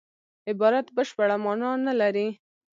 عبارت بشپړه مانا نه لري.